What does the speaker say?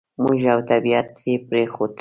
موږ او طبعیت یې پرېښوول.